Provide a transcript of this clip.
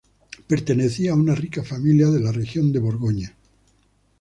Pertenecía a una rica familia de la región de Borgoña.